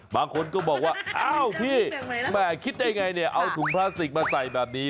บางคนก็บอกว่าอ้าวพี่แม่คิดได้ไงเนี่ยเอาถุงพลาสติกมาใส่แบบนี้